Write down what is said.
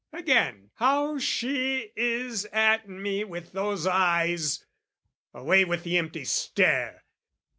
Again, how she is at me with those eyes! Away with the empty stare!